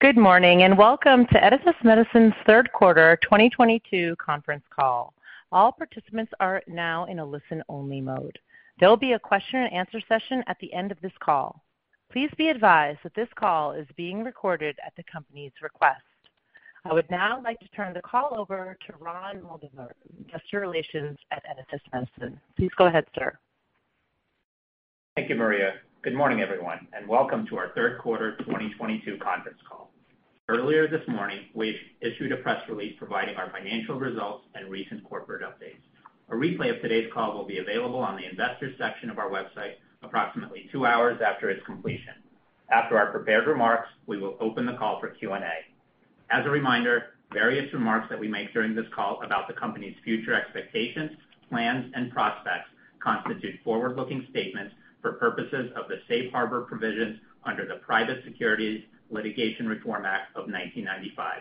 Good morning, and welcome to Editas Medicine's Third Quarter 2022 Conference Call. All participants are now in a listen-only mode. There will be a question-and-answer session at the end of this call. Please be advised that this call is being recorded at the company's request. I would now like to turn the call over to Ron Moldaver, Investor Relations at Editas Medicine. Please go ahead, sir. Thank you, Maria. Good morning, everyone, and welcome to our Third Quarter 2022 Conference Call. Earlier this morning, we issued a press release providing our financial results and recent corporate updates. A replay of today's call will be available on the investors section of our website approximately two hours after its completion. After our prepared remarks, we will open the call for Q&A. As a reminder, various remarks that we make during this call about the company's future expectations, plans and prospects constitute forward-looking statements for purposes of the safe harbor provisions under the Private Securities Litigation Reform Act of 1995.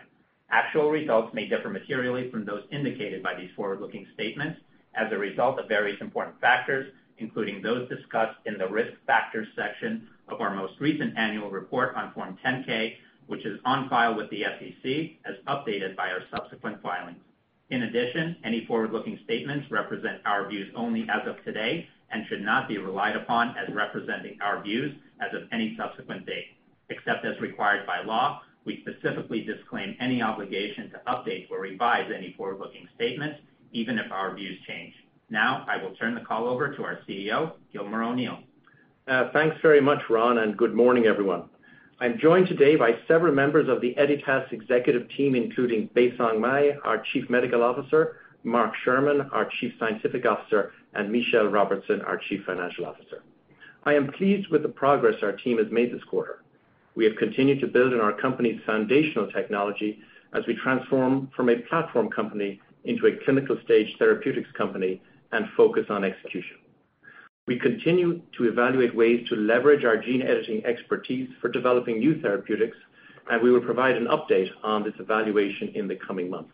Actual results may differ materially from those indicated by these forward-looking statements as a result of various important factors, including those discussed in the Risk Factors section of our most recent annual report on Form 10-K, which is on file with the SEC as updated by our subsequent filings. In addition, any forward-looking statements represent our views only as of today and should not be relied upon as representing our views as of any subsequent date. Except as required by law, we specifically disclaim any obligation to update or revise any forward-looking statements, even if our views change. Now I will turn the call over to our CEO, Gilmore O'Neill. Thanks very much, Ron, and good morning, everyone. I'm joined today by several members of the Editas Executive Team, including Baisong Mei, our Chief Medical Officer, Mark Shearman, our Chief Scientific Officer, and Michelle Robertson, our Chief Financial Officer. I am pleased with the progress our team has made this quarter. We have continued to build on our company's foundational technology as we transform from a platform company into a clinical-stage therapeutics company and focus on execution. We continue to evaluate ways to leverage our gene editing expertise for developing new therapeutics, and we will provide an update on this evaluation in the coming months.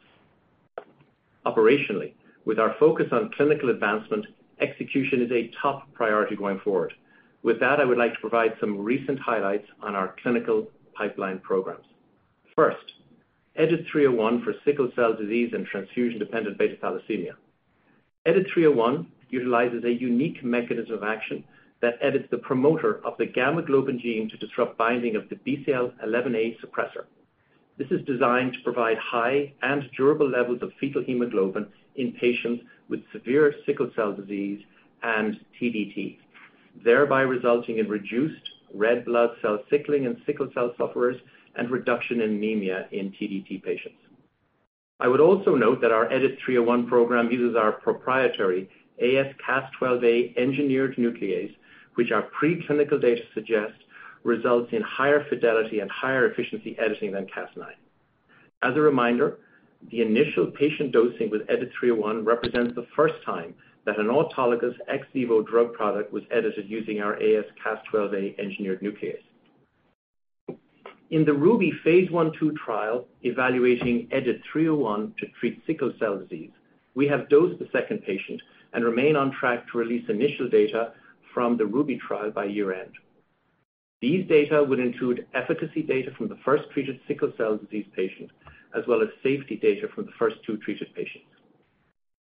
Operationally, with our focus on clinical advancement, execution is a top priority going forward. With that, I would like to provide some recent highlights on our clinical pipeline programs. First, EDIT-301 for sickle cell disease and transfusion-dependent beta thalassemia. EDIT-301 utilizes a unique mechanism of action that edits the promoter of the gamma globin gene to disrupt binding of the BCL11A suppressor. This is designed to provide high and durable levels of fetal hemoglobin in patients with severe sickle cell disease and TDT, thereby resulting in reduced red blood cell sickling in sickle cell sufferers and reduction in anemia in TDT patients. I would also note that our EDIT-301 program uses our proprietary AsCas12a engineered nuclease, which our preclinical data suggest results in higher fidelity and higher efficiency editing than Cas9. As a reminder, the initial patient dosing with EDIT-301 represents the first time that an autologous ex vivo drug product was edited using our AsCas12a engineered nuclease. In the RUBY Phase 1/2 trial evaluating EDIT-301 to treat sickle cell disease, we have dosed the second patient and remain on track to release initial data from the RUBY trial by year-end. These data would include efficacy data from the first treated sickle cell disease patient, as well as safety data from the first two treated patients.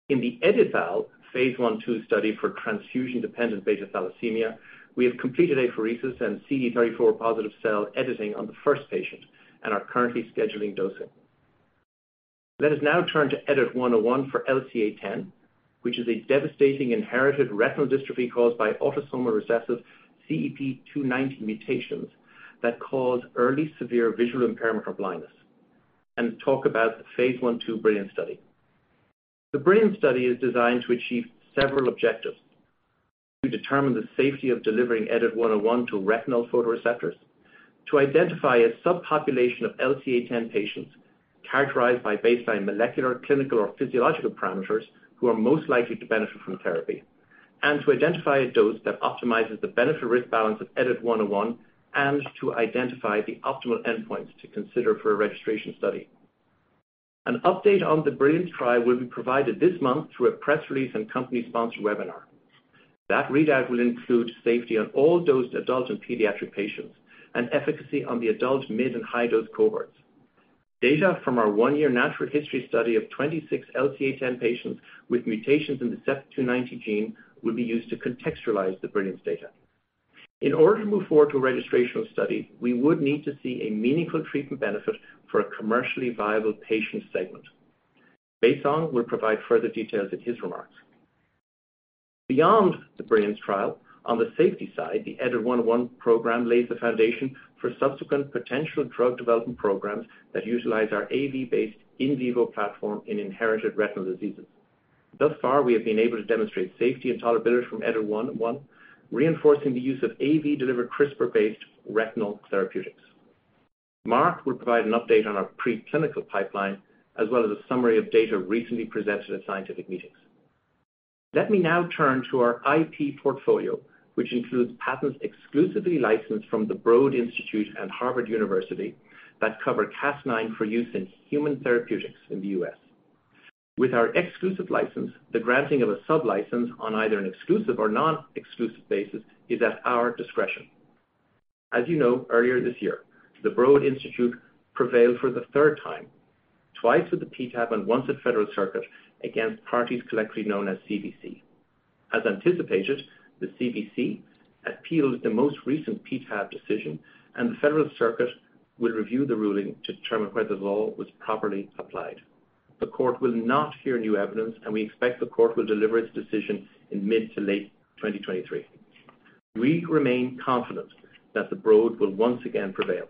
In the EdiTHAL Phase 1/2 study for transfusion-dependent beta thalassemia, we have completed apheresis and CD34+ cell editing on the first patient and are currently scheduling dosing. Let us now turn to EDIT-101 for LCA10, which is a devastating inherited retinal dystrophy caused by autosomal recessive CEP290 mutations that cause early severe visual impairment or blindness, and talk about the Phase 1/2 BRILLIANCE study. The BRILLIANCE study is designed to achieve several objectives. To determine the safety of delivering EDIT-101 to retinal photoreceptors. To identify a subpopulation of LCA10 patients characterized by baseline molecular, clinical, or physiological parameters who are most likely to benefit from therapy. To identify a dose that optimizes the benefit-risk balance of EDIT-101, and to identify the optimal endpoints to consider for a registration study. An update on the BRILLIANCE trial will be provided this month through a press release and company-sponsored webinar. That readout will include safety on all dosed adult and pediatric patients and efficacy on the adult mid- and high-dose cohorts. Data from our one-year natural history study of 26 LCA10 patients with mutations in the CEP290 gene will be used to contextualize the BRILLIANCE data. In order to move forward to a registrational study, we would need to see a meaningful treatment benefit for a commercially viable patient segment. Baisong will provide further details in his remarks. Beyond the BRILLIANCE trial, on the safety side, the EDIT-101 program lays the foundation for subsequent potential drug development programs that utilize our AAV-based in vivo platform in inherited retinal diseases. Thus far, we have been able to demonstrate safety and tolerability from EDIT-101, reinforcing the use of AAV-delivered CRISPR-based retinal therapeutics. Mark will provide an update on our preclinical pipeline as well as a summary of data recently presented at scientific meetings. Let me now turn to our IP portfolio, which includes patents exclusively licensed from the Broad Institute and Harvard University that cover Cas9 for use in human therapeutics in the U.S. With our exclusive license, the granting of a sublicense on either an exclusive or non-exclusive basis is at our discretion. As you know, earlier this year, the Broad Institute prevailed for the third time, twice with the PTAB and once at Federal Circuit, against parties collectively known as CBC. As anticipated, the CBC appealed the most recent PTAB decision, and the Federal Circuit will review the ruling to determine whether the law was properly applied. The court will not hear new evidence, and we expect the court will deliver its decision in mid to late 2023. We remain confident that the Broad will once again prevail.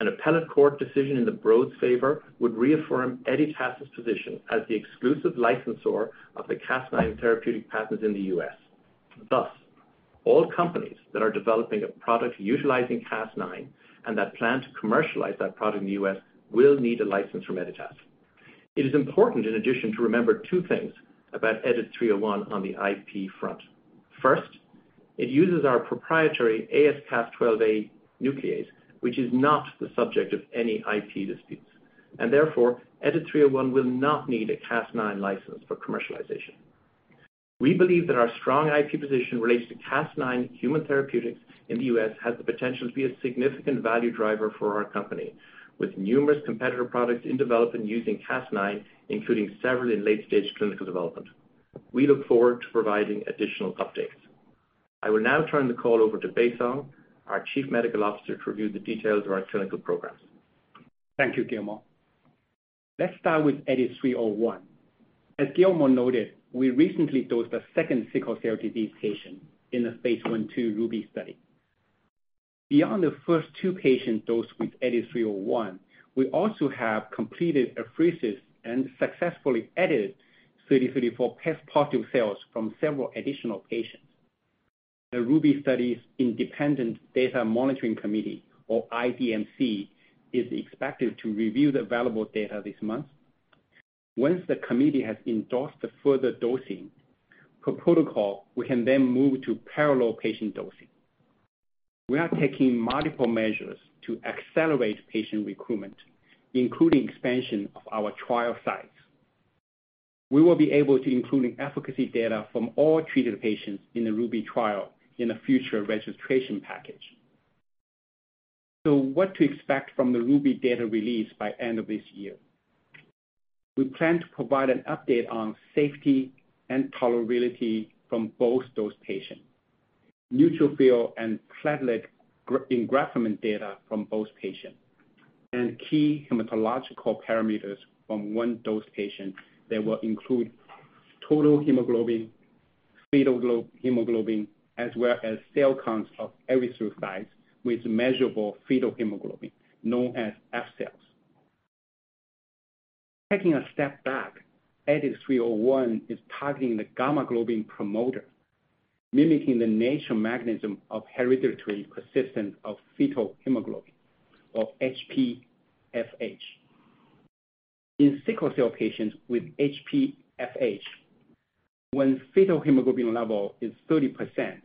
An appellate court decision in the Broad's favor would reaffirm Editas's position as the exclusive licensor of the Cas9 therapeutic patents in the U.S. Thus, all companies that are developing a product utilizing Cas9 and that plan to commercialize that product in the U.S. will need a license from Editas. It is important in addition to remember two things about EDIT-301 on the IP front. First, it uses our proprietary AsCas12a nuclease, which is not the subject of any IP disputes, and therefore EDIT-301 will not need a Cas9 license for commercialization. We believe that our strong IP position relates to Cas9 human therapeutics in the U.S. has the potential to be a significant value driver for our company, with numerous competitor products in development using Cas9, including several in late-stage clinical development. We look forward to providing additional updates. I will now turn the call over to Baisong, our Chief Medical Officer, to review the details of our clinical programs. Thank you, Gilmore. Let's start with EDIT-301. As Gilmore noted, we recently dosed a second sickle cell disease patient in the Phase 1/2 RUBY study. Beyond the first two patients dosed with EDIT-301, we also have completed apheresis and successfully edited CD34+ cells from several additional patients. The RUBY study's Independent Data Monitoring Committee, or IDMC, is expected to review the available data this month. Once the Committee has endorsed the further dosing per protocol, we can then move to parallel patient dosing. We are taking multiple measures to accelerate patient recruitment, including expansion of our trial sites. We will be able to include efficacy data from all treated patients in the RUBY trial in a future registration package. What to expect from the RUBY data release by end of this year? We plan to provide an update on safety and tolerability from both dosed patients, neutrophil and platelet engraftment data from both patients, and key hematological parameters from one dosed patient that will include total hemoglobin, fetal hemoglobin, as well as cell counts of erythrocytes with measurable fetal hemoglobin, known as F cells. Taking a step back, EDIT-301 is targeting the gamma globin promoter, mimicking the natural mechanism of hereditary persistence of fetal hemoglobin, or HPFH. In sickle cell patients with HPFH, when fetal hemoglobin level is 30%,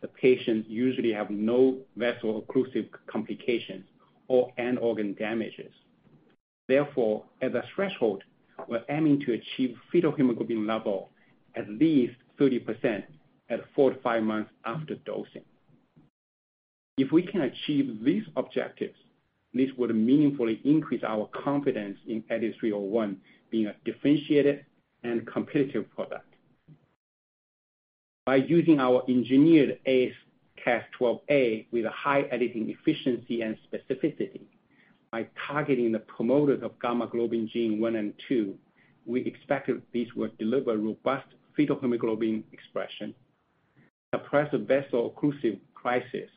the patients usually have no vaso-occlusive complications or end-organ damages. Therefore, as a threshold, we're aiming to achieve fetal hemoglobin level at least 30% at 4-5 months after dosing. If we can achieve these objectives, this would meaningfully increase our confidence in EDIT-301 being a differentiated and competitive product. By using our engineered AsCas12a with a high editing efficiency and specificity, by targeting the promoters of gamma globin gene one and two, we expect that these will deliver robust fetal hemoglobin expression, suppress a vaso-occlusive crisis,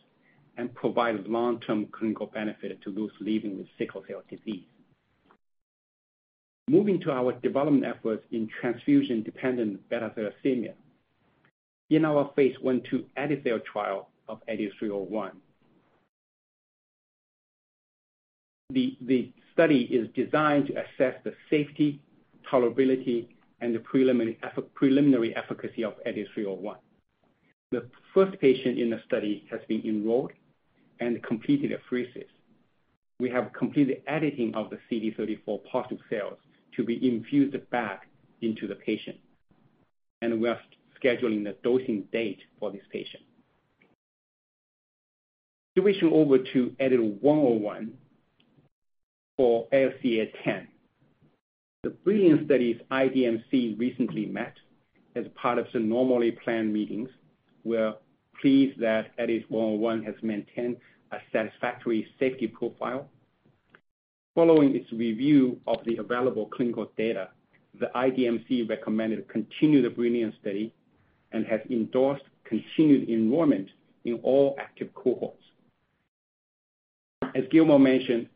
and provide long-term clinical benefit to those living with sickle cell disease. Moving to our development efforts in transfusion-dependent beta thalassemia. In our Phase 1/2 RUBY trial of EDIT-301, the study is designed to assess the safety, tolerability, and the preliminary efficacy of EDIT-301. The first patient in the study has been enrolled and completed apheresis. We have completed editing of the CD34+ cells to be infused back into the patient, and we are scheduling a dosing date for this patient. Switching over to EDIT-101 for LCA10. The BRILLIANCE study's IDMC recently met as part of some normally planned meetings. We are pleased that EDIT-101 has maintained a satisfactory safety profile. Following its review of the available clinical data, the IDMC recommended continue the BRILLIANCE study and has endorsed continued enrollment in all active cohorts. As Gilmore O'Neill mentioned,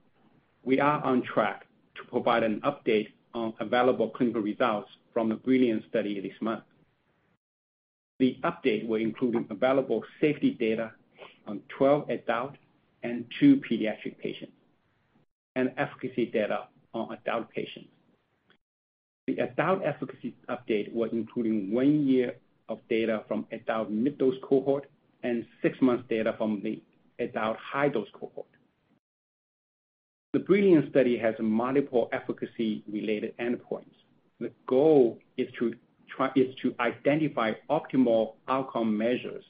we are on track to provide an update on available clinical results from the BRILLIANCE study this month. The update will include available safety data on 12 adult and two pediatric patients and efficacy data on adult patients. The adult efficacy update was including 1 year of data from adult mid-dose cohort and 6 months data from the adult high-dose cohort. The BRILLIANCE study has multiple efficacy-related endpoints. The goal is to identify optimal outcome measures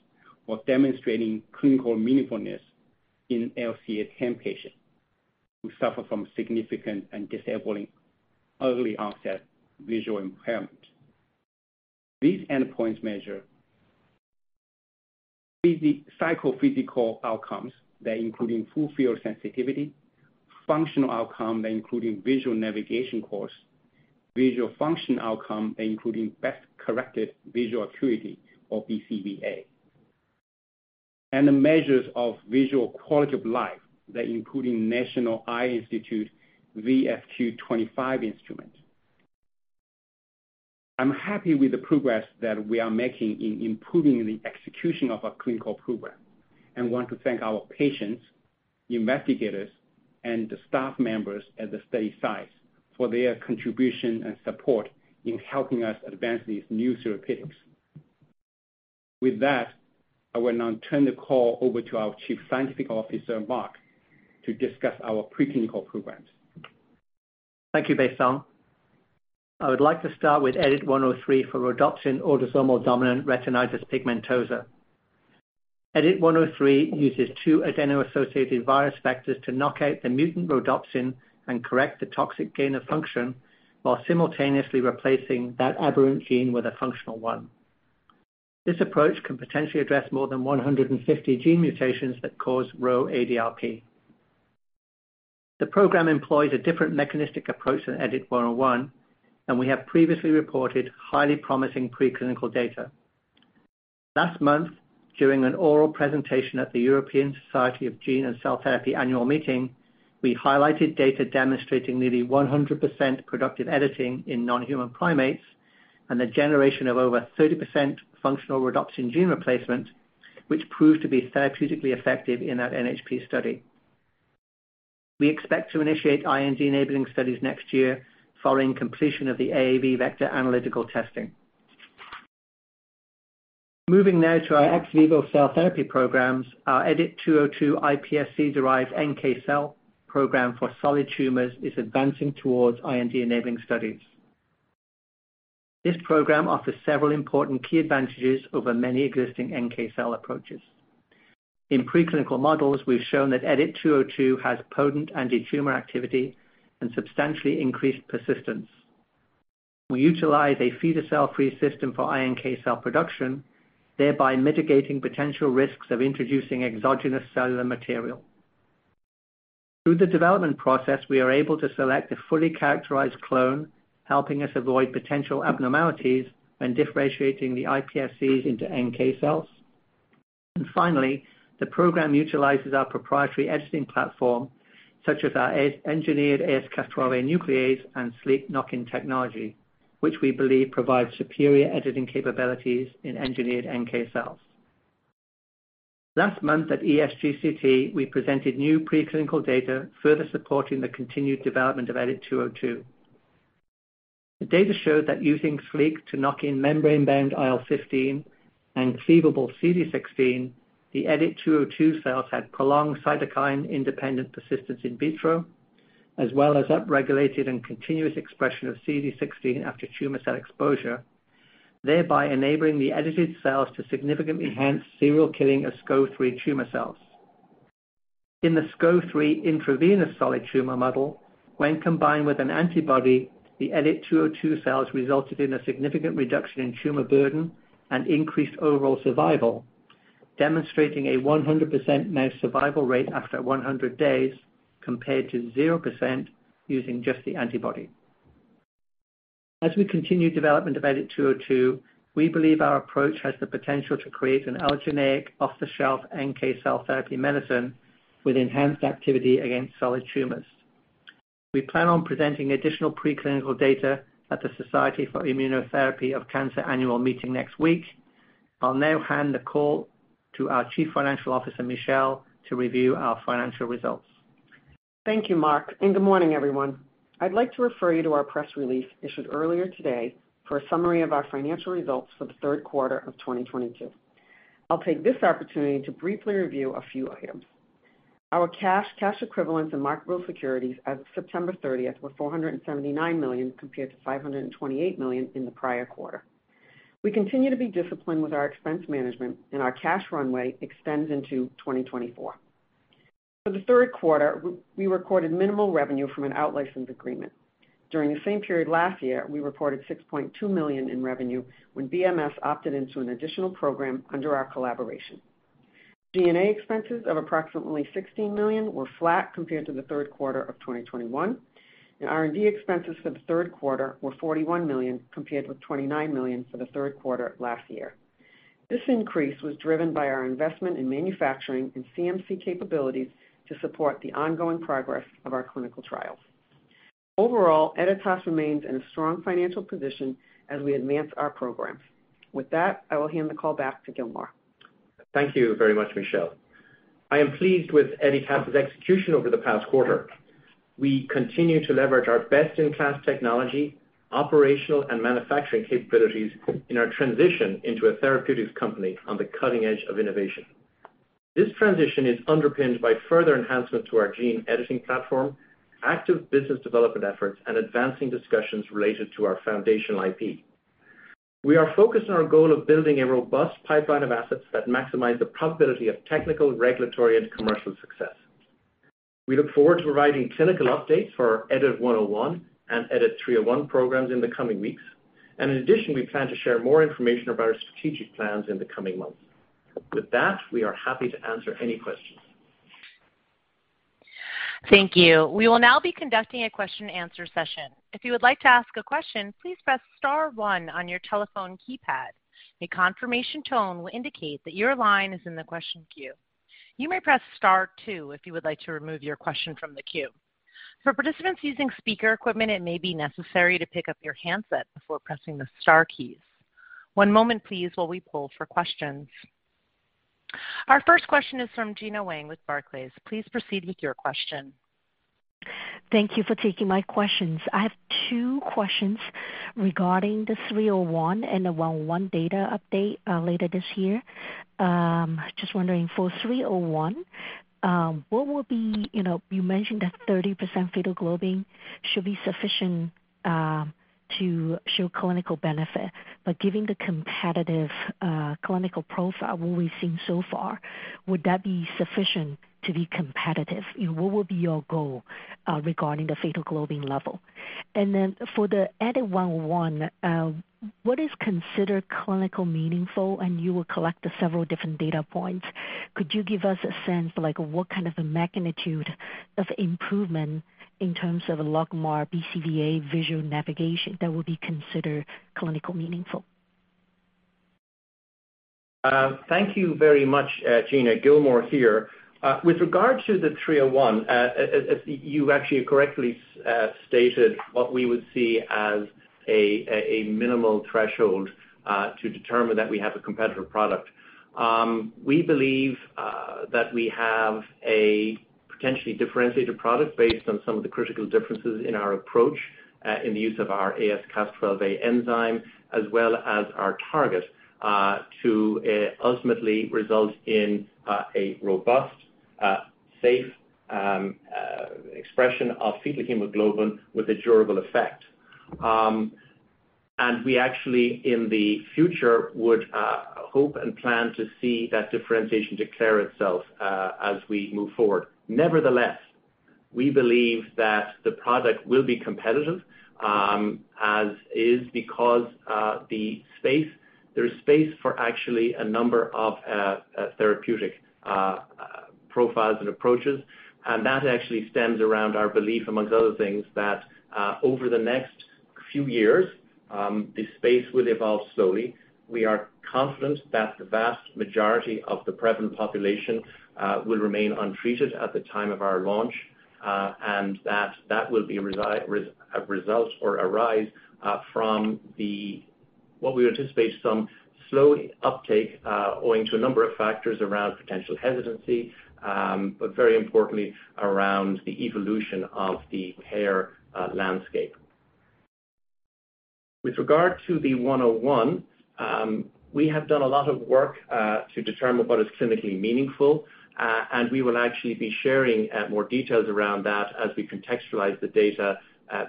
for demonstrating clinical meaningfulness in LCA10 patients who suffer from significant and disabling early-onset visual impairment. These endpoints measure psychophysical outcomes that including full field sensitivity, functional outcome that including visual navigation course, visual function outcome including best corrected visual acuity or BCVA, and the measures of visual quality of life that including National Eye Institute VFQ-25 instrument. I'm happy with the progress that we are making in improving the execution of our clinical program, and want to thank our patients, investigators, and the staff members at the study sites for their contribution and support in helping us advance these new therapeutics. With that, I will now turn the call over to our Chief Scientific Officer, Mark, to discuss our preclinical programs. Thank you, Baisong. I would like to start with EDIT-103 for rhodopsin autosomal dominant retinitis pigmentosa. EDIT-103 uses two adeno-associated virus vectors to knock out the mutant rhodopsin and correct the toxic gain of function, while simultaneously replacing that aberrant gene with a functional one. This approach can potentially address more than 150 gene mutations that cause RHO-adRP. The program employs a different mechanistic approach than EDIT-101, and we have previously reported highly promising preclinical data. Last month, during an oral presentation at the European Society of Gene and Cell Therapy Annual Meeting, we highlighted data demonstrating nearly 100% productive editing in non-human primates and the generation of over 30% functional rhodopsin gene replacement, which proved to be therapeutically effective in that NHP study. We expect to initiate IND-enabling studies next year following completion of the AAV vector analytical testing. Moving now to our ex vivo cell therapy programs, our EDIT-202 iPSC-derived NK cell program for solid tumors is advancing towards IND-enabling studies. This program offers several important key advantages over many existing NK cell approaches. In preclinical models, we've shown that EDIT-202 has potent antitumor activity and substantially increased persistence. We utilize a feeder cell-free system for iNK cell production, thereby mitigating potential risks of introducing exogenous cellular material. Through the development process, we are able to select a fully characterized clone, helping us avoid potential abnormalities when differentiating the iPSCs into NK cells. Finally, the program utilizes our proprietary editing platform, such as our SLEEK-engineered AsCas12a nuclease and SLEEK Knockin technology, which we believe provides superior editing capabilities in engineered NK cells. Last month at ESGCT, we presented new preclinical data further supporting the continued development of EDIT-202. The data showed that using SLEEK to knock in membrane-bound IL-15 and cleavable CD-16, the EDIT-202 cells had prolonged cytokine-independent persistence in vitro, as well as upregulated and continuous expression of CD-16 after tumor cell exposure, thereby enabling the edited cells to significantly enhance serial killing of SKOV-3 tumor cells. In the SKOV-3 intravenous solid tumor model, when combined with an antibody, the EDIT-202 cells resulted in a significant reduction in tumor burden and increased overall survival, demonstrating a 100% mouse survival rate after 100 days compared to 0% using just the antibody. As we continue development of EDIT-202, we believe our approach has the potential to create an allogeneic, off-the-shelf NK cell therapy medicine with enhanced activity against solid tumors. We plan on presenting additional preclinical data at the Society for Immunotherapy of Cancer Annual Meeting next week. I'll now hand the call to our Chief Financial Officer, Michelle, to review our financial results. Thank you, Mark, and good morning, everyone. I'd like to refer you to our press release issued earlier today for a summary of our financial results for the third quarter of 2022. I'll take this opportunity to briefly review a few items. Our cash equivalents, and marketable securities as of September 30 were $479 million, compared to $528 million in the prior quarter. We continue to be disciplined with our expense management, and our cash runway extends into 2024. For the third quarter, we recorded minimal revenue from an out-license agreement. During the same period last year, we reported $6.2 million in revenue when BMS opted into an additional program under our collaboration. G&A expenses of approximately $16 million were flat compared to the third quarter of 2021, and R&D expenses for the third quarter were $41 million, compared with $29 million for the third quarter last year. This increase was driven by our investment in manufacturing and CMC capabilities to support the ongoing progress of our clinical trials. Overall, Editas remains in a strong financial position as we advance our programs. With that, I will hand the call back to Gilmore. Thank you very much, Michelle. I am pleased with Editas' execution over the past quarter. We continue to leverage our best-in-class technology, operational and manufacturing capabilities in our transition into a therapeutics company on the cutting edge of innovation. This transition is underpinned by further enhancements to our gene editing platform, active business development efforts, and advancing discussions related to our foundational IP. We are focused on our goal of building a robust pipeline of assets that maximize the probability of technical, regulatory, and commercial success. We look forward to providing clinical updates for our EDIT-101 and EDIT-301 programs in the coming weeks. In addition, we plan to share more information about our strategic plans in the coming months. With that, we are happy to answer any questions. Thank you. We will now be conducting a question-and-answer session. If you would like to ask a question, please press star one on your telephone keypad. A confirmation tone will indicate that your line is in the question queue. You may press star two if you would like to remove your question from the queue. For participants using speaker equipment, it may be necessary to pick up your handset before pressing the star keys. One moment please while we poll for questions. Our first question is from Gena Wang with Barclays. Please proceed with your question. Thank you for taking my questions. I have two questions regarding the 301 and the 101 data update later this year. Just wondering for 301, you mentioned that 30% fetal globin should be sufficient to show clinical benefit. But given the competitive clinical profile, what we've seen so far, would that be sufficient to be competitive? What would be your goal regarding the fetal globin level? Then for the EDIT-101, what is considered clinically meaningful, and you will collect several different data points. Could you give us a sense like what a magnitude of improvement in terms of a logMAR BCVA visual navigation that would be considered clinically meaningful? Thank you very much, Gena. Gilmore here. With regard to the EDIT-301, as you actually correctly stated what we would see as a minimal threshold to determine that we have a competitive product. We believe that we have a potentially differentiated product based on some of the critical differences in our approach, in the use of our AsCas12a enzyme, as well as our target to ultimately result in a robust, safe expression of fetal hemoglobin with a durable effect. We actually in the future would hope and plan to see that differentiation declare itself as we move forward. Nevertheless, we believe that the product will be competitive, as is because the space there is space for actually a number of therapeutic profiles and approaches. That actually stems around our belief, amongst other things, that over the next few years the space will evolve slowly. We are confident that the vast majority of the prevalent population will remain untreated at the time of our launch and that will be result or arise from what we anticipate some slow uptake owing to a number of factors around potential hesitancy but very importantly around the evolution of the care landscape. With regard to EDIT-101, we have done a lot of work to determine what is clinically meaningful, and we will actually be sharing more details around that as we contextualize the data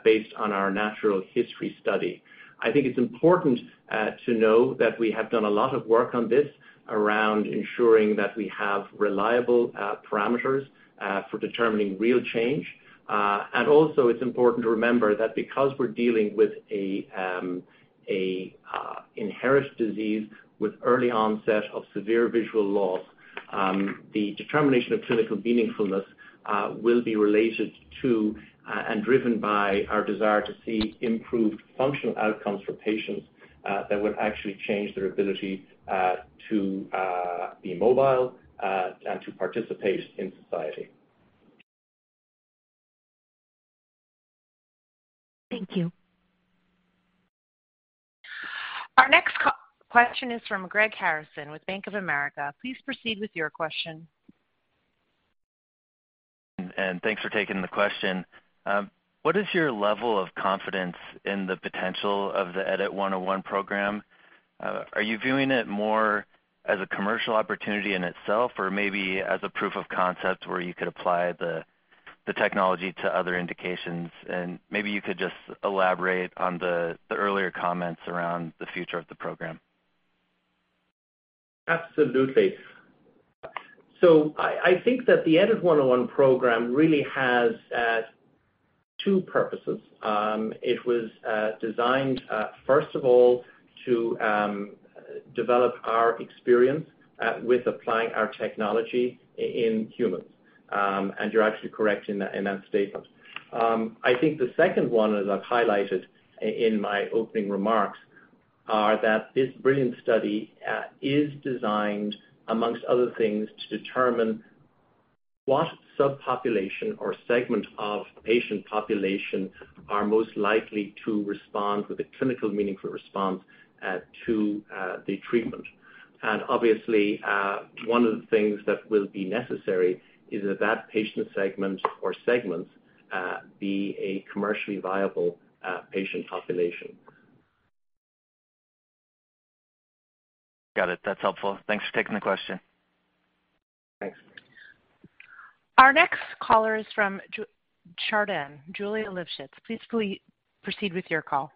based on our natural history study. I think it's important to know that we have done a lot of work on this around ensuring that we have reliable parameters for determining real change. Also it's important to remember that because we're dealing with an inherited disease with early onset of severe visual loss, the determination of clinical meaningfulness will be related to and driven by our desire to see improved functional outcomes for patients that would actually change their ability to be mobile and to participate in society. Thank you. Our next question is from Greg Harrison with Bank of America. Please proceed with your question. Thanks for taking the question. What is your level of confidence in the potential of the EDIT-101 program? Are you viewing it more as a commercial opportunity in itself or maybe as a proof of concept where you could apply the technology to other indications? Maybe you could just elaborate on the earlier comments around the future of the program. Absolutely. I think that the EDIT-101 program really has two purposes. It was designed first of all to develop our experience with applying our technology in humans. You're actually correct in that statement. I think the second one, as I've highlighted in my opening remarks, is that this BRILLIANCE study is designed, among other things, to determine what subpopulation or segment of patient population is most likely to respond with a clinically meaningful response to the treatment. Obviously, one of the things that will be necessary is that patient segment or segments be a commercially viable patient population. Got it. That's helpful. Thanks for taking the question. Thanks. Our next caller is from Chardan, Geulah Livshits. Please proceed with your call.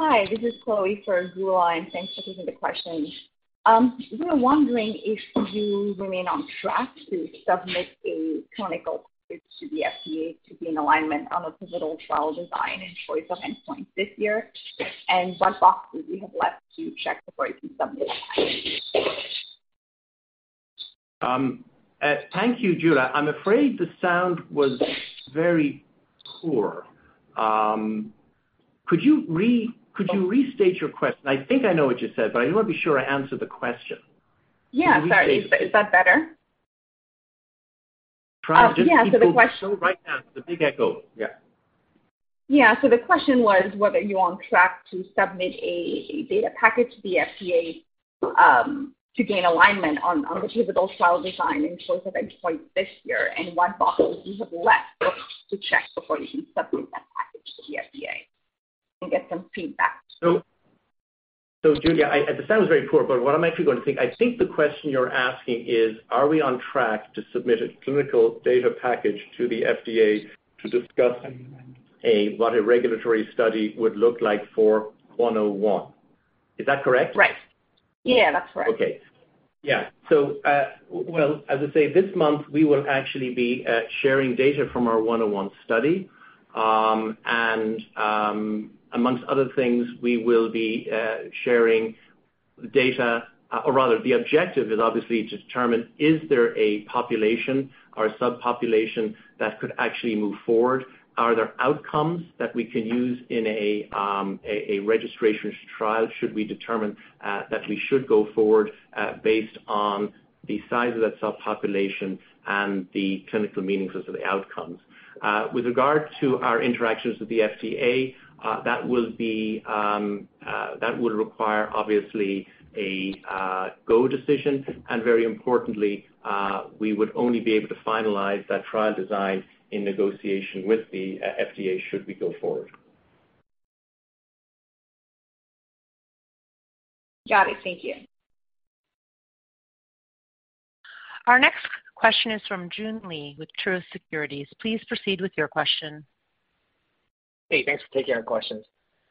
Hi, this is Keay for Geulah, and thanks for taking the question. We were wondering if you remain on track to submit a clinical pitch to the FDA to be in alignment on a pivotal trial design and choice of endpoint this year. What boxes you have left to check before you can submit. Thank you, Julia. I'm afraid the sound was very poor. Could you restate your question? I think I know what you said, but I wanna be sure I answer the question. Can you restate? Sorry. Is that better? The question was whether you're on track to submit a data package to the FDA to gain alignment on the pivotal trial design and choice of endpoint this year, and what boxes you have left to check before you can submit that package to the FDA and get some feedback. Geulah, the sound was very poor, but I think the question you're asking is, are we on track to submit a clinical data package to the FDA to discuss what a regulatory study would look like for EDIT-101? Is that correct? Right. That's correct. Well, as I say, this month we will actually be sharing data from our EDIT-101 study. Among other things, we will be sharing data or rather the objective is obviously to determine is there a population or a subpopulation that could actually move forward. Are there outcomes that we can use in a registration trial should we determine that we should go forward based on the size of that subpopulation and the clinical meanings of the outcomes. With regard to our interactions with the FDA, that would require obviously a go decision, and very importantly, we would only be able to finalize that trial design in negotiation with the FDA should we go forward. Got it. Thank you. Our next question is from Joon Lee with Truist Securities. Please proceed with your question. Hey, thanks for taking our questions.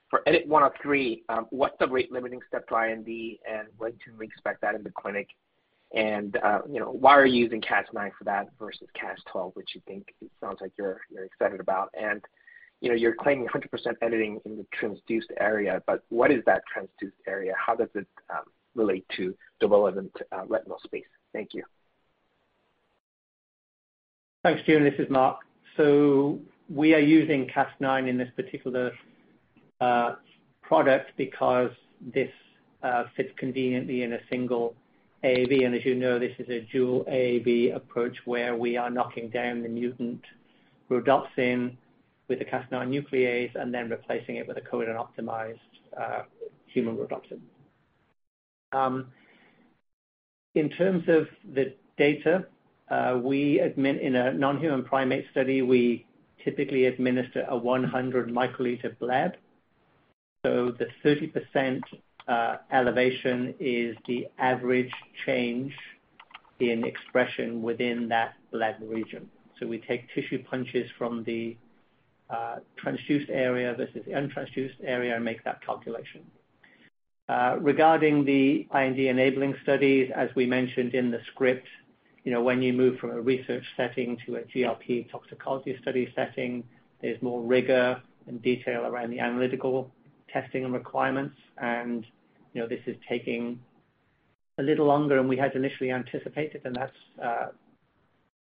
For EDIT-103, what's the rate limiting step to IND and when can we expect that in the clinic? You know, why are you using Cas9 for that versus Cas12, which you think it sounds like you're excited about? You know, you're claiming 100% editing in the transduced area, but what is that transduced area? How does it relate to development retinal space? Thank you. Thanks, Joon. This is Mark. We are using Cas9 in this particular product because this fits conveniently in a single AAV. As you know, this is a dual AAV approach where we are knocking down the mutant rhodopsin with the Cas9 nuclease and then replacing it with a codon-optimized human rhodopsin. In terms of the data, in a non-human primate study, we typically administer a 100 microliter bleb. The 30% elevation is the average change in expression within that bleb region. We take tissue punches from the transduced area versus the untransduced area and make that calculation. Regarding the IND enabling studies, as we mentioned in the script, you know, when you move from a research setting to a GLP toxicology study setting, there's more rigor and detail around the analytical testing and requirements. You know, this is taking a little longer than we had initially anticipated, and that's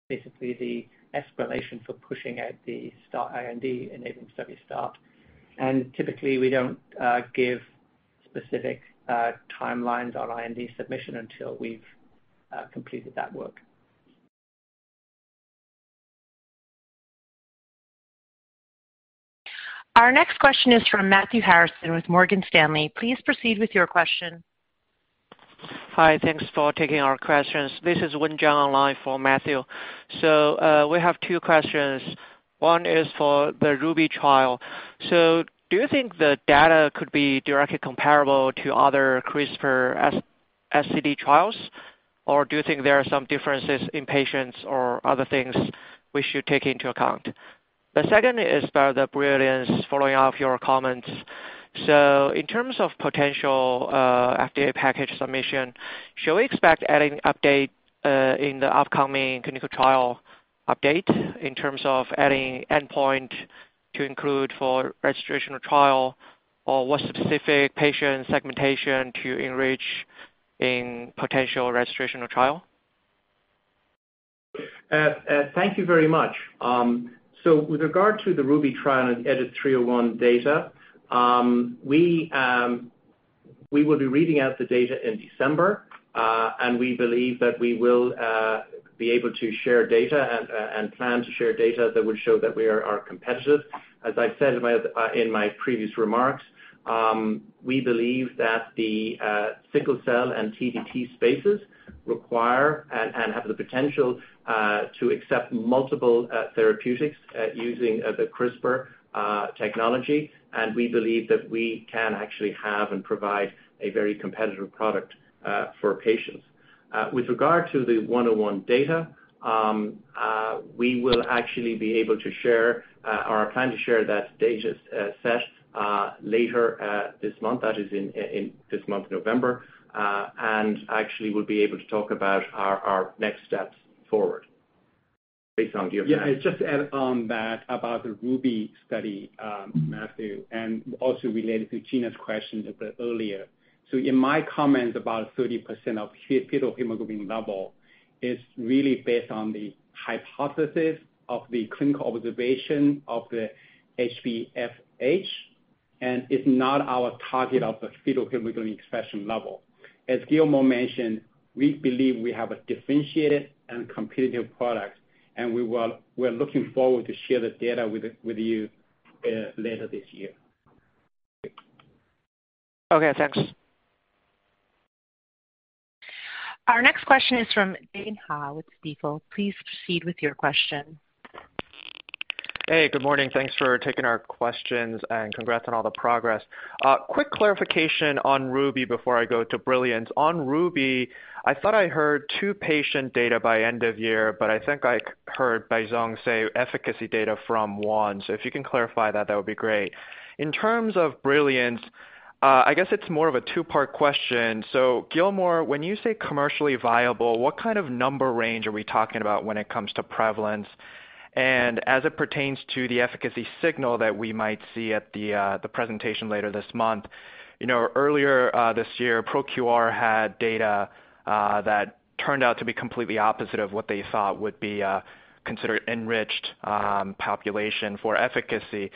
basically the explanation for pushing out the start IND enabling study. Typically, we don't give specific timelines on IND submission until we've completed that work. Our next question is from Matthew Harrison with Morgan Stanley. Please proceed with your question. Hi. Thanks for taking our questions. This is Yun Zhong online for Matthew. We have two questions. One is for the RUBY trial. Do you think the data could be directly comparable to other CRISPR SCD trials, or do you think there are some differences in patients or other things we should take into account? The second is about the BRILLIANCE following up on your comments. In terms of potential FDA package submission, should we expect any update in the upcoming clinical trial update in terms of any endpoint to include for registrational trial or what specific patient segmentation to enrich in potential registrational trial? Thank you very much. With regard to the RUBY trial and EDIT-301 data, we will be reading out the data in December, and we believe that we will be able to share data and plan to share data that will show that we are competitive. As I've said in my previous remarks, we believe that the sickle cell and TDT spaces require and have the potential to accept multiple therapeutics using the CRISPR technology. We believe that we can actually have and provide a very competitive product for patients. With regard to the EDIT-101 data, we will actually be able to share or plan to share that data set later this month. That is in this month, November. Actually we'll be able to talk about our next steps forward. Baisong, do you have any? Just to add on that about the RUBY study, Matthew, and also related to Gena's question a bit earlier. In my comments, about 30% of fetal hemoglobin level is really based on the hypothesis of the clinical observation of the HPFH, and it's not our target of the fetal hemoglobin expression level. As Gilmore mentioned, we believe we have a differentiated and competitive product, and we're looking forward to share the data with you later this year. Okay, thanks. Our next question is from Dae Ha with Stifel. Please proceed with your question. Hey, good morning. Thanks for taking our questions, and congrats on all the progress. Quick clarification on RUBY before I go to BRILLIANCE. On RUBY, I thought I heard 2 patient data by end of year, but I think I heard Baisong say efficacy data from 1. If you can clarify that would be great. In terms of BRILLIANCE, it's more of a 2-part question. Gilmore, when you say commercially viable, what kind of number range are we talking about when it comes to prevalence? As it pertains to the efficacy signal that we might see at the presentation later this month, you know, earlier this year, ProQR had data that turned out to be completely opposite of what they thought would be considered enriched population for efficacy.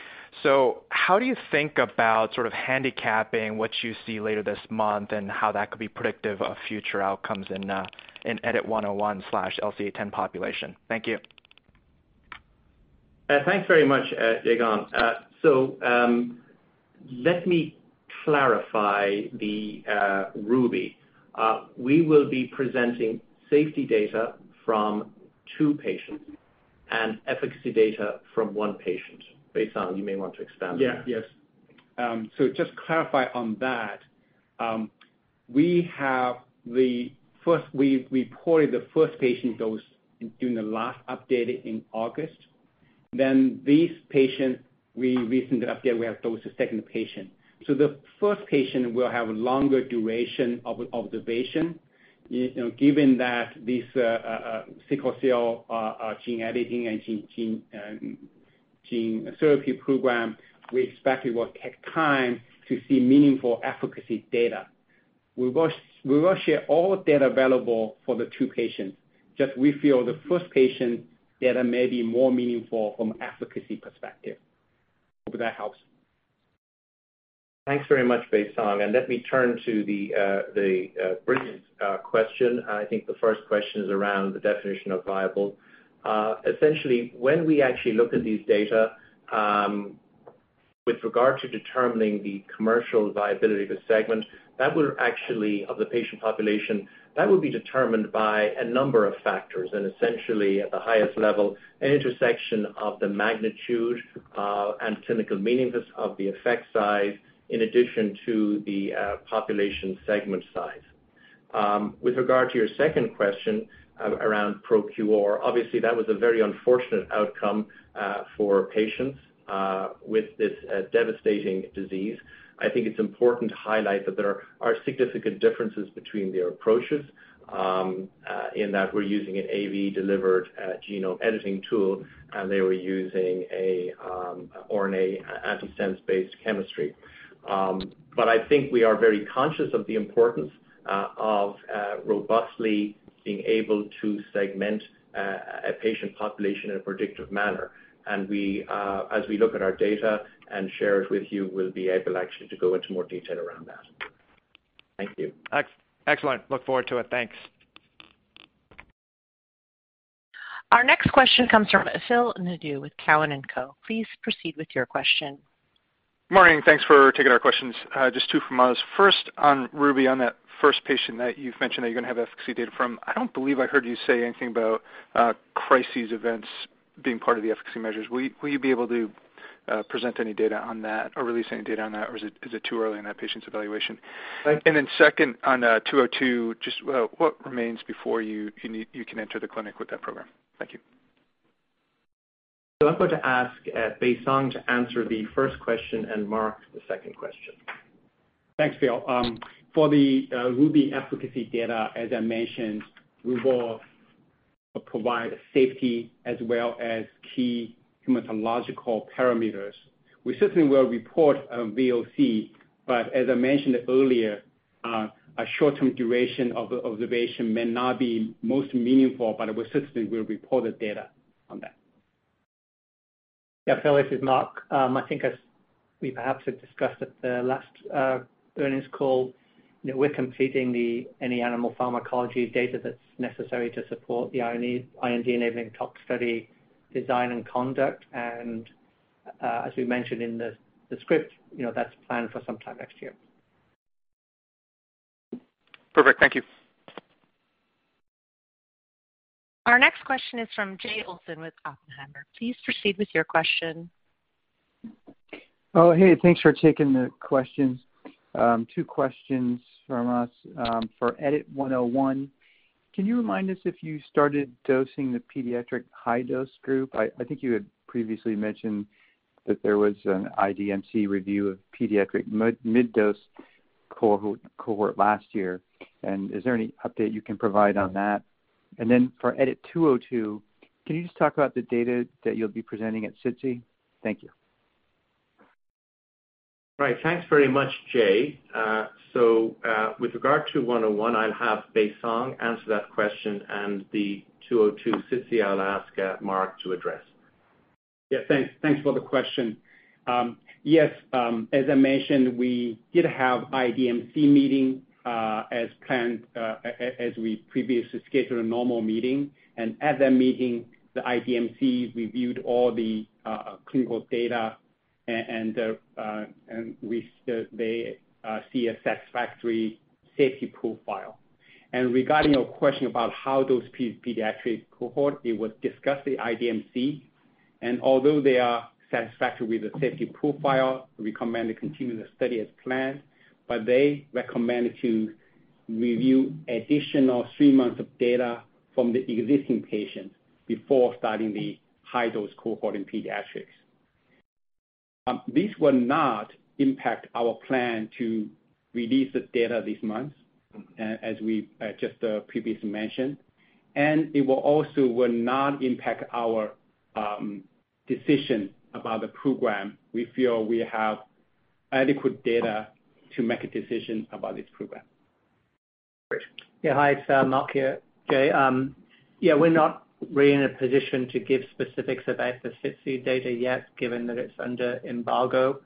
How do you think about sort of handicapping what you see later this month and how that could be predictive of future outcomes in EDIT-101/LCA10 population? Thank you. Thanks very much, Dae Gon. Let me clarify the RUBY. We will be presenting safety data from two patients and efficacy data from one patient. Baisong Mei, you may want to expand on that. Yes. Just clarify on that, we've reported the first patient dose during the last update in August. Then in this recent update, we have dosed the second patient. The first patient will have longer duration of observation. You know, given that this sickle cell gene editing and gene therapy program, we expect it will take time to see meaningful efficacy data. We will share all data available for the two patients, just we feel the first patient data may be more meaningful from efficacy perspective. Hope that helps. Thanks very much, Baisong. Let me turn to the BRILLIANCE question. I think the first question is around the definition of viable. Essentially, when we actually look at these data, with regard to determining the commercial viability of the segment, that will actually, of the patient population, that will be determined by a number of factors and essentially at the highest level, an intersection of the magnitude and clinical meaningfulness of the effect size, in addition to the population segment size. With regard to your second question around ProQR, obviously, that was a very unfortunate outcome for patients with this devastating disease. I think it's important to highlight that there are significant differences between their approaches, in that we're using an AAV-delivered, genome editing tool, and they were using a, RNA antisense-based chemistry. I think we are very conscious of the importance of robustly being able to segment a patient population in a predictive manner. We as we look at our data and share it with you, we'll be able actually to go into more detail around that. Thank you. Excellent. Look forward to it. Thanks. Our next question comes from Phil Nadeau with Cowen and Company. Please proceed with your question. Morning. Thanks for taking our questions, just two from us. First, on RUBY, on that first patient that you've mentioned that you're going to have efficacy data from, I don't believe I heard you say anything about crises events being part of the efficacy measures. Will you be able to present any data on that or release any data on that, or is it too early in that patient's evaluation? Second, on 202, just what remains before you can enter the clinic with that program? Thank you. I'm going to ask Baisong to answer the first question and Mark the second question. Thanks, Phil. For the RUBY efficacy data, as I mentioned, we will provide safety as well as key hematological parameters. We certainly will report a VOC, but as I mentioned earlier, a short-term duration of observation may not be most meaningful, but we certainly will report the data on that. Phil, this is Mark Shearman. I think as we perhaps have discussed at the last earnings call, that we're completing any animal pharmacology data that's necessary to support the IND-enabling tox study design and conduct. As we mentioned in the script, you know, that's planned for sometime next year. Perfect. Thank you. Our next question is from Jay Olson with Oppenheimer. Please proceed with your question. Oh, hey, thanks for taking the questions. Two questions from us. For EDIT-101, can you remind us if you started dosing the pediatric high-dose group? I think you had previously mentioned that there was an IDMC review of pediatric mid-dose cohort last year. Is there any update you can provide on that? For EDIT-202, can you just talk about the data that you'll be presenting at SITC? Thank you. Right. Thanks very much, Jay. With regard to 101, I'll have Baisong Mei answer that question and the 202 SITC, I'll ask Mark to address. thanks. Thanks for the question. Yes, as I mentioned, we did have IDMC meeting as planned, as we previously scheduled a normal meeting. At that meeting, the IDMC reviewed all the clinical data and they see a satisfactory safety profile. Regarding your question about how those pediatric cohort, it was discussed the IDMC, and although they are satisfactory with the safety profile, we recommend to continue the study as planned, but they recommend to review additional three months of data from the existing patients before starting the high-dose cohort in pediatrics. This will not impact our plan to release the data this month, as we just previously mentioned, and it will also not impact our decision about the program. We feel we have adequate data to make a decision about this program. Hi, it's Mark here. Jay, we're not really in a position to give specifics about the SITC data yet, given that it's under embargo.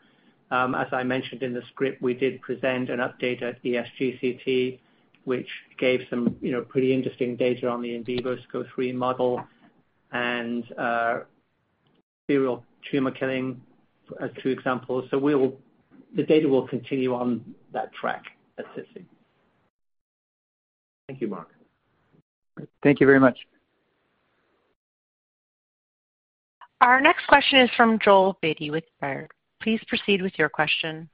As I mentioned in the script, we did present an update at ESGCT, which gave some, you know, pretty interesting data on the in vivo SCID-free model and serial tumor killing as two examples. The data will continue on that track at SITC. Thank you, Mark. Thank you very much. Our next question is from Joel Beatty with Baird. Please proceed with your question.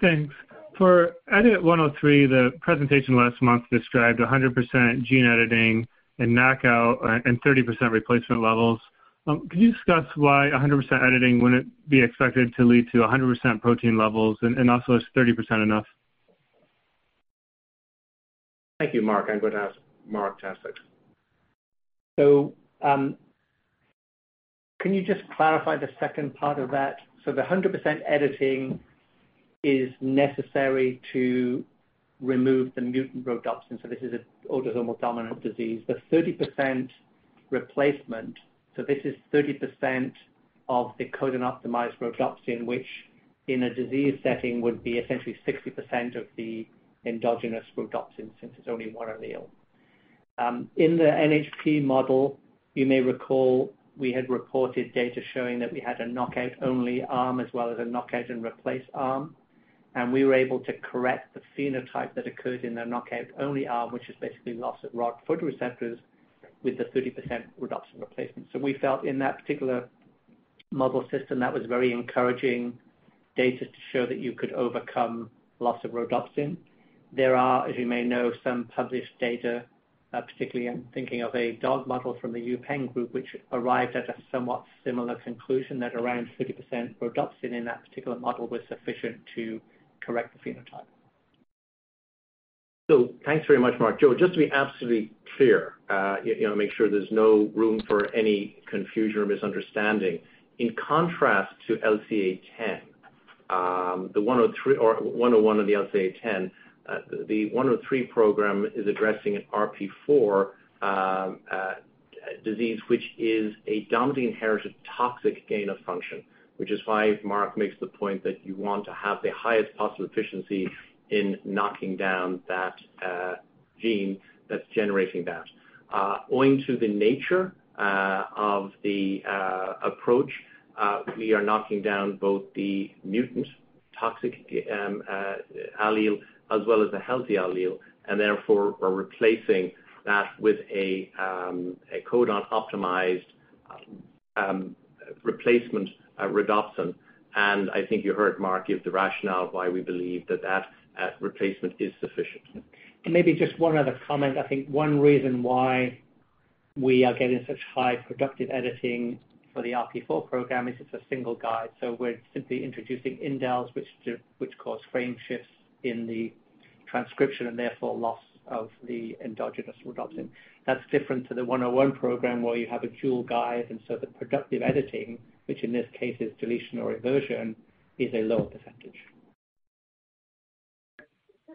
Thanks. For EDIT-103, the presentation last month described 100% gene editing and knockout and 30% replacement levels. Can you discuss why 100% editing wouldn't be expected to lead to 100% protein levels, and also is 30% enough? Thank you, Mark. I'm going to ask Mark to answer. Can you just clarify the second part of that? The 100% editing is necessary to remove the mutant rhodopsin. This is an autosomal dominant disease. The 30% replacement, this is 30% of the codon-optimized rhodopsin, which in a disease setting would be essentially 60% of the endogenous rhodopsin since it's only one allele. In the NHP model, you may recall we had reported data showing that we had a knockout-only arm as well as a knockout and replace arm, and we were able to correct the phenotype that occurred in the knockout-only arm, which is basically loss of rod photoreceptors with the 30% rhodopsin replacement. We felt in that particular model system, that was very encouraging data to show that you could overcome loss of rhodopsin. There are, as you may know, some published data, particularly I'm thinking of a dog model from the UPenn group, which arrived at a somewhat similar conclusion, that around 30% rhodopsin in that particular model was sufficient to correct the phenotype. Thanks very much, Mark. Joel, just to be absolutely clear, you know, make sure there's no room for any confusion or misunderstanding. In contrast to LCA10, the 103 or 101 of the LCA10, the 103 program is addressing an RP4 disease which is a dominantly inherited toxic gain of function, which is why Mark makes the point that you want to have the highest possible efficiency in knocking down that gene that's generating that. Owing to the nature of the approach, we are knocking down both the mutant toxic allele as well as the healthy allele, and therefore are replacing that with a codon-optimized replacement rhodopsin. I think you heard Mark give the rationale of why we believe that replacement is sufficient. Maybe just one other comment. I think one reason why we are getting such high productive editing for the RP4 program is it's a single guide. We're simply introducing indels which cause frame shifts in the transcription and therefore loss of the endogenous rhodopsin. That's different to the EDIT-101 program, where you have a dual guide, and so the productive editing, which in this case is deletion or reversion, is a lower percentage.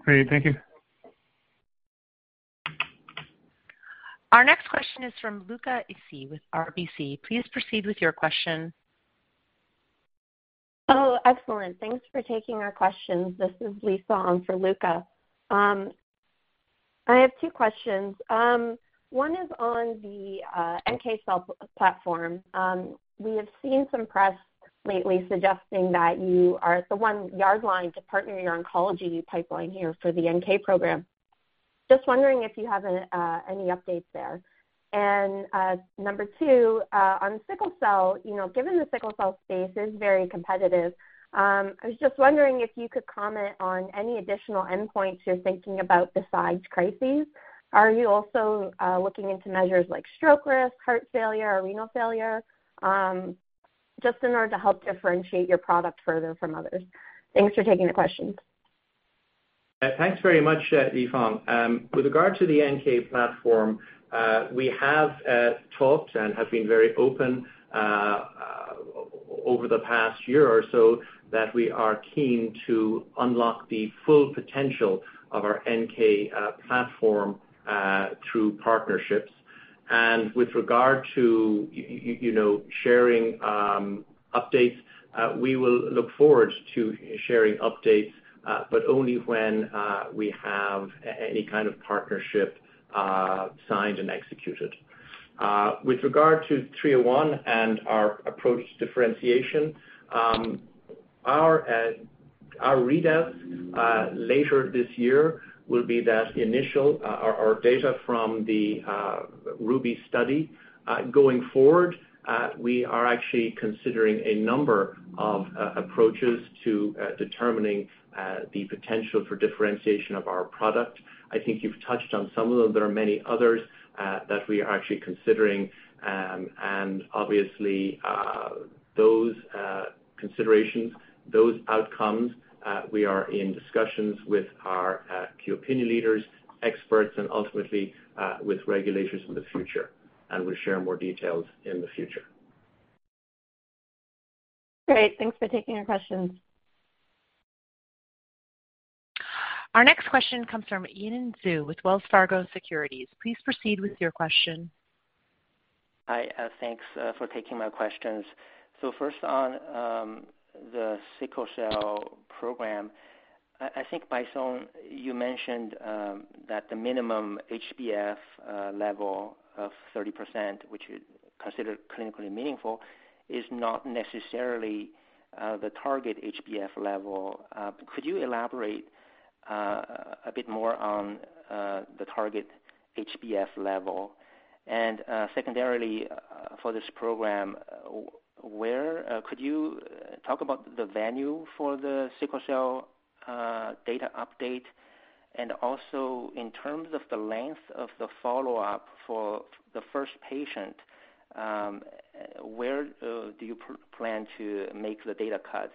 Great. Thank you. Our next question is from Luca Issi with RBC. Please proceed with your question. Oh, excellent. Thanks for taking our questions. This is Lisa on for Luca. I have two questions. One is on the NK cell platform. We have seen some press lately suggesting that you are at the one yard line to partner your oncology pipeline here for the NK program. Just wondering if you have any updates there. Number two, on sickle cell, you know, given the sickle cell space is very competitive, I was just wondering if you could comment on any additional endpoints you're thinking about besides crises. Are you also looking into measures like stroke risk, heart failure, or renal failure, just in order to help differentiate your product further from others? Thanks for taking the questions. Thanks very much, Lisa. With regard to the NK platform, we have talked and have been very open over the past year or so that we are keen to unlock the full potential of our NK platform through partnerships. With regard to you know, sharing updates, we will look forward to sharing updates, but only when we have any kind of partnership signed and executed. With regard to EDIT-301 and our approach to differentiation, our readouts later this year will be that initial data from the RUBY study. Going forward, we are actually considering a number of approaches to determining the potential for differentiation of our product. I think you've touched on some of them. There are many others that we are actually considering. Obviously, those considerations, those outcomes, we are in discussions with our key opinion leaders, experts, and ultimately, with regulators in the future, and we'll share more details in the future. Great. Thanks for taking our questions. Our next question comes from Yanan Zhu with Wells Fargo Securities. Please proceed with your question. Hi, thanks for taking my questions. First on the sickle cell program. I think, Baisong, you mentioned that the minimum HbF level of 30%, which is considered clinically meaningful, is not necessarily the target HbF level. Could you elaborate a bit more on the target HbF level? Secondarily, for this program, where could you talk about the venue for the sickle cell data update? Also, in terms of the length of the follow-up for the first patient, where do you plan to make the data cut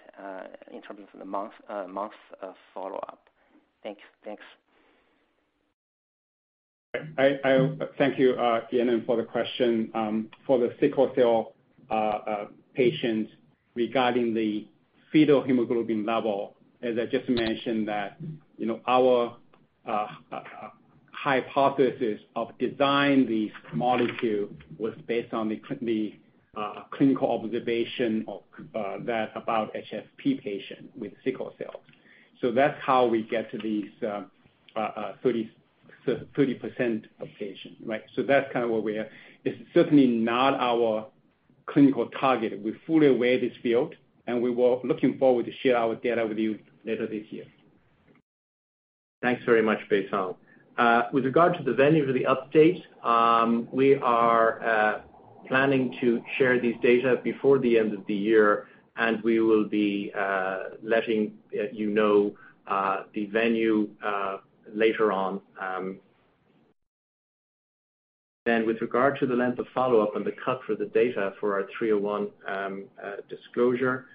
in terms of the months follow-up? Thanks. I thank you, Yanan, for the question. For the sickle cell patients regarding the fetal hemoglobin level, as I just mentioned, that you know our hypothesis of design the molecule was based on the clinical observation of that about HPFH patient with sickle cells. That's how we get to these 30% of patients, right? That's kind of where we are. It's certainly not our clinical target. We're fully aware of this field, and we will looking forward to share our data with you later this year. Thanks very much, Baisong. With regard to the venue for the update, we are planning to share this data before the end of the year, and we will be letting you know the venue later on. With regard to the length of follow-up and the cut for the data for our EDIT-301 disclosure,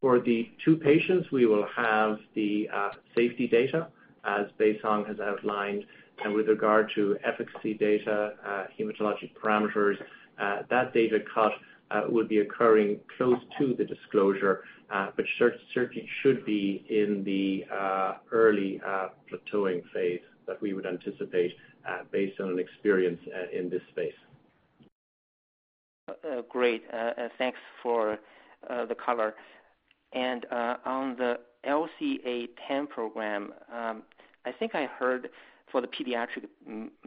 for the 2 patients, we will have the safety data as Baisong has outlined. With regard to efficacy data, hematologic parameters, that data cut will be occurring close to the disclosure, but certainly should be in the early plateauing phase that we would anticipate based on experience in this space. Great. Thanks for the color. On the LCA10 program, I think I heard for the pediatric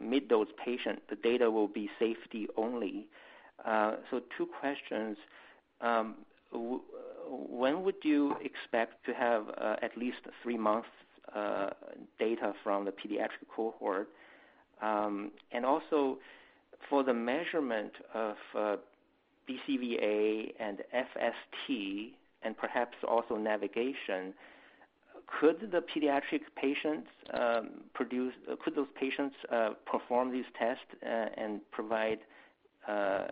mid-dose patient, the data will be safety only. Two questions. When would you expect to have at least three-month data from the pediatric cohort? And also for the measurement of BCVA and FST and perhaps also navigation, could those patients perform these tests and provide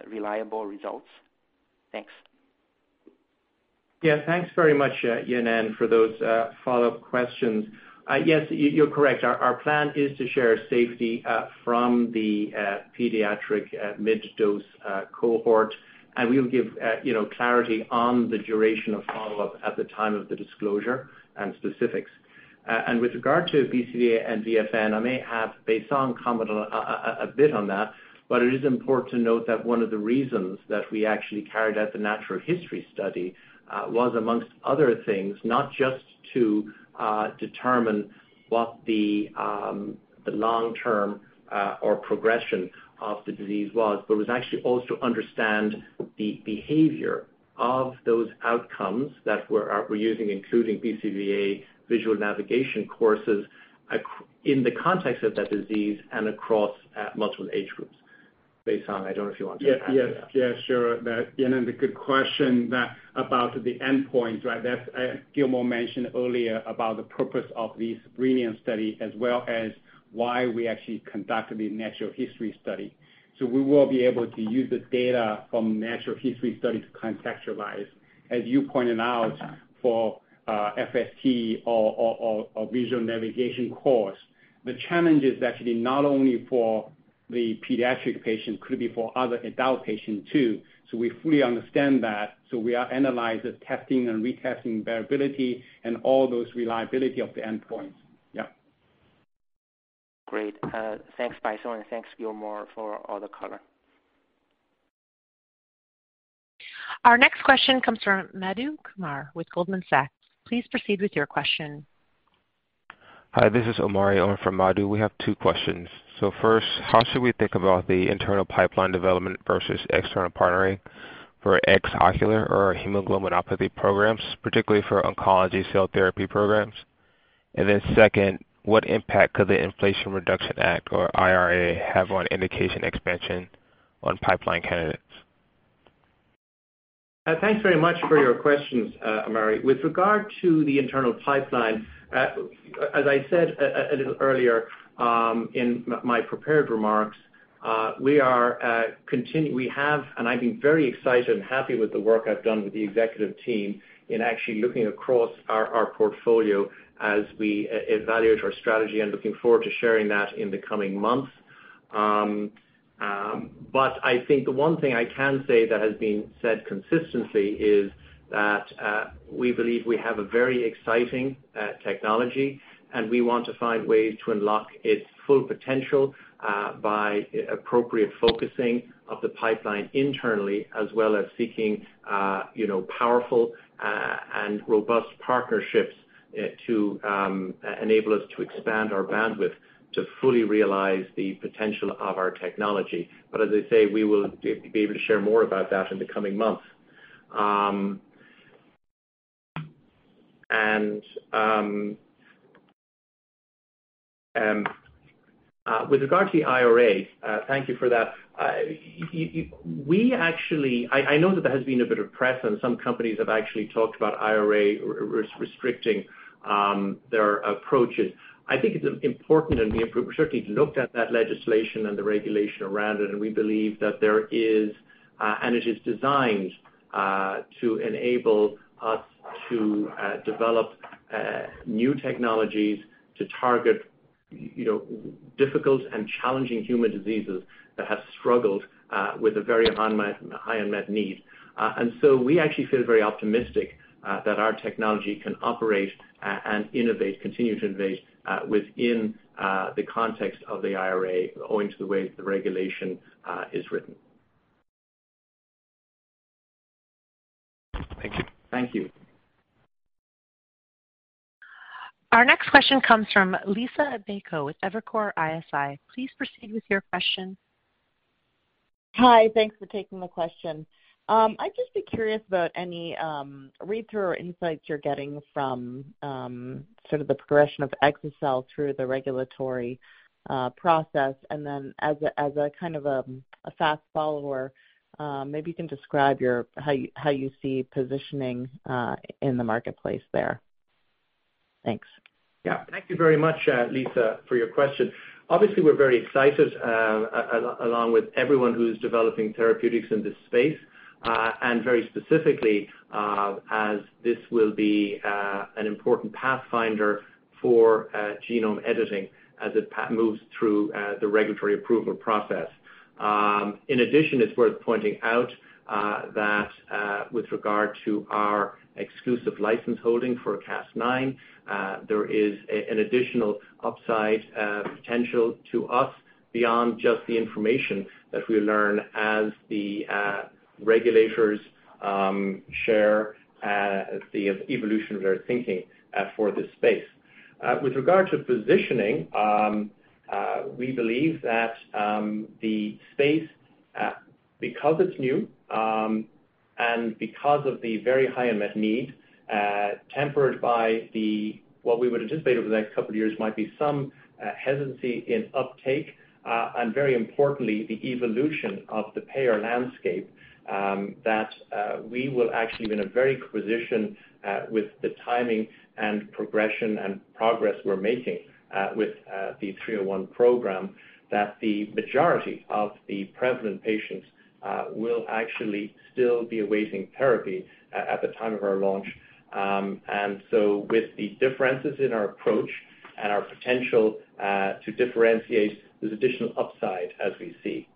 reliable results? Thanks. Thanks very much, Yanan, for those follow-up questions. Yes, you're correct. Our plan is to share safety from the pediatric mid-dose cohort. We'll give you know, clarity on the duration of follow-up at the time of the disclosure and specifics. With regard to BCVA and VFQ, I may have Baisong comment a bit on that. But it is important to note that one of the reasons that we actually carried out the natural history study was amongst other things, not just to determine what the long-term or progression of the disease was, but was actually also to understand the behavior of those outcomes that we're using, including BCVA visual navigation courses in the context of that disease and across multiple age groups. Baisong, I don't know if you want to add to that. Yes, sure. That's a good question about the endpoint, right? That's Gilmore mentioned earlier about the purpose of the BRILLIANCE study as well as why we actually conducted the natural history study. We will be able to use the data from natural history study to contextualize, as you pointed out, for FST or visual navigation course. The challenge is actually not only for the pediatric patient, could be for other adult patient too. We fully understand that. We are analyzing, testing, and retesting variability and all those reliability of the endpoints. Great. Thanks, Baisong, and thanks, Gilmore, for all the color. Our next question comes from Madhu Kumar with Goldman Sachs. Please proceed with your question. Hi, this is Omari on from Madhu. We have two questions. First, how should we think about the internal pipeline development versus external partnering for ex-ocular or hemoglobinopathy programs, particularly for oncology cell therapy programs? Second, what impact could the Inflation Reduction Act or IRA have on indication expansion on pipeline candidates? Thanks very much for your questions, Omari. With regard to the internal pipeline, as I said a little earlier, in my prepared remarks, we have, and I've been very excited and happy with the work I've done with the executive team in actually looking across our portfolio as we evaluate our strategy. I'm looking forward to sharing that in the coming months. I think the one thing I can say that has been said consistently is that we believe we have a very exciting technology, and we want to find ways to unlock its full potential by appropriate focusing of the pipeline internally, as well as seeking you know powerful and robust partnerships to enable us to expand our bandwidth to fully realize the potential of our technology. As I say, we will be able to share more about that in the coming months. With regard to the IRA, thank you for that. I know that there has been a bit of press, and some companies have actually talked about IRA restricting their approaches. I think it's important, and we've certainly looked at that legislation and the regulation around it, and we believe that there is, and it is designed to enable us to develop new technologies to target, you know, difficult and challenging human diseases that have struggled with a very high unmet need. We actually feel very optimistic that our technology can operate and continue to innovate within the context of the IRA owing to the way the regulation is written. Thank you. Thank you. Our next question comes from Liisa Bayko with Evercore ISI. Please proceed with your question. Hi. Thanks for taking the question. I'd just be curious about any read-through or insights you're getting from sort of the progression of exa-cel through the regulatory process. As a kind of a fast follower, maybe you can describe how you see positioning in the marketplace there. Thanks. Thank you very much, Liisa, for your question. Obviously, we're very excited along with everyone who's developing therapeutics in this space and very specifically as this will be an important pathfinder for genome editing as it moves through the regulatory approval process. In addition, it's worth pointing out that with regard to our exclusive license holding for Cas9 there is an additional upside potential to us beyond just the information that we learn as the regulators share the evolution of their thinking for this space. With regard to positioning, we believe that the space, because it's new and because of the very high unmet need, tempered by what we would anticipate over the next couple of years might be some hesitancy in uptake and very importantly, the evolution of the payer landscape, that we will actually be in a very good position with the timing and progression and progress we're making with the EDIT-301 program, that the majority of the prevalent patients will actually still be awaiting therapy at the time of our launch. With the differences in our approach and our potential to differentiate, there's additional upside as we see.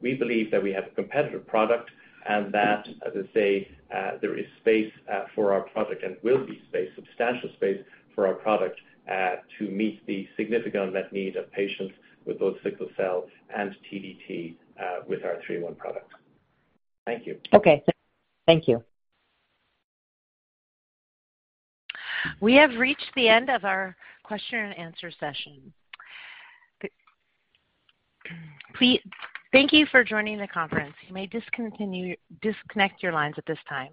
We believe that we have a competitive product and that, as I say, there is space for our product and will be space, substantial space for our product, to meet the significant unmet need of patients with both sickle cell and TDT, with our EDIT-301 product. Thank you. Okay. Thank you. We have reached the end of our question-and-answer session. Thank you for joining the conference. You may disconnect your lines at this time.